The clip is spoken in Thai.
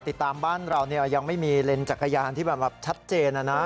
ติดตามบ้านเรายังไม่มีเลนส์จักรยานที่แบบชัดเจนนะนะ